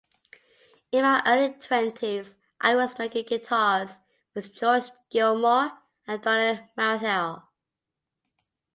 In my early twenties, I was making guitars with George Gilmore and Donald Marienthal.